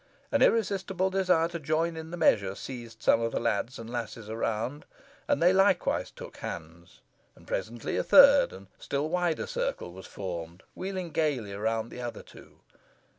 An irresistible desire to join in the measure seized some of the lads and lasses around, and they likewise took hands, and presently a third and still wider circle was formed, wheeling gaily round the other two.